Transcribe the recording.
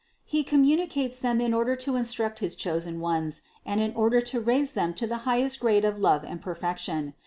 He communicates them in order to instruct his chosen ones and in order to raise them to the highest grade of love and perfection.